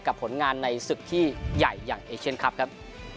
ผลงานในศึกที่ใหญ่อย่างเอเชียนคลับครับ